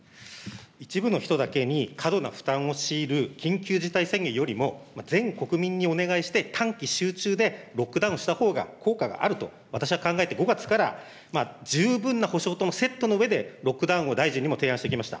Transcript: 一部の人だけに過度な負担を強いる緊急事態宣言よりも、全国民にお願いして、短期集中でロックダウンしたほうが効果があると、私は考えて、５月から十分な補償ともセットのうえで、ロックダウンを大臣にも提案してきました。